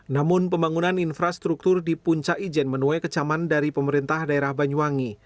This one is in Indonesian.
namun pembangunan infrastruktur di puncak ijen menuai kecaman dari pemerintah daerah banyuwangi